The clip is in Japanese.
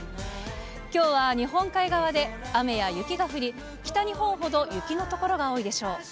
きょうは日本海側で雨や雪が降り、北日本ほど雪の所が多いでしょう。